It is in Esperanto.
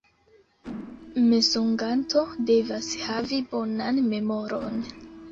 Mensoganto devas havi bonan memoron.